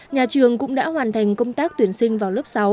nhà trường cũng đã hoàn thành công tác tuyển sinh vào lớp sáu